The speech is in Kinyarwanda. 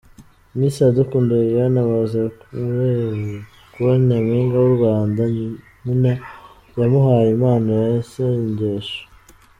Miss Iradukunda Liliane amaze kuba Nyampinga w’u Rwanda nyina yamuhaye impano y’isengesho.